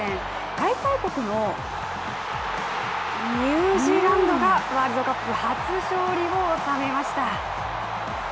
開催国のニュージーランドがワールドカップ初勝利を収めました。